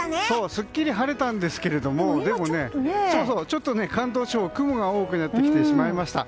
すっきり晴れたんですけどちょっと関東地方雲が多くなってきてしまいました。